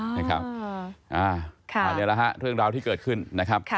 นี่แหละฮะเรื่องราวที่เกิดขึ้นนะครับ